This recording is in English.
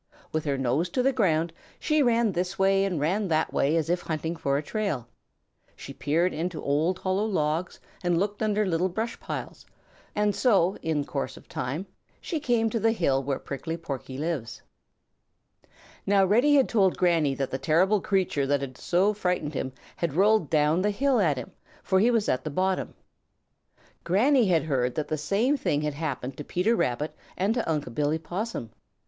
With her nose to the ground she ran this way and ran that way as if hunting for a trail. She peered into old hollow logs and looked under little brush piles, and so, in course of time, she came to the hill where Prickly Porky lives. Now Reddy had told Granny that the terrible creature that had so frightened him had rolled down the hill at him, for he was at the bottom. Granny had heard that the same thing had happened to Peter Rabbit and to Unc' Billy Possum.